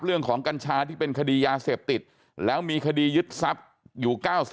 กัญชาที่เป็นคดียาเสพติดแล้วมีคดียึดทรัพย์อยู่๙๐